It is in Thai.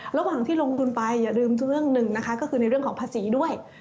ระหว่างที่ลงทุนไปอย่าลืมเรื่องหนึ่งนะคะก็คือในเรื่องของภาษีด้วย